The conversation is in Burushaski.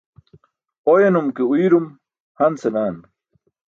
Oyanum ke uuyrum han senaa.